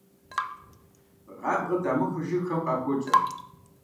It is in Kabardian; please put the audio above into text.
Гъабгъэ дамыхыу жыгхэм къапокӀэ.